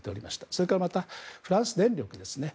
それからまたフランス電力ですね。